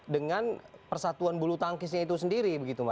dengan persatuan bulu tangkisnya itu sendiri begitu mbak